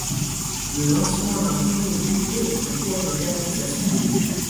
Le lancement d'un premier bouquet est en cours de réalisation.